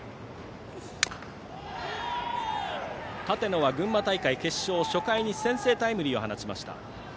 舘野は群馬大会決勝、初回に先制タイムリーを放ちました。